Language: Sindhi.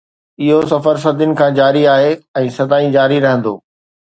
اهو سفر صدين کان جاري آهي ۽ سدائين جاري رهندو.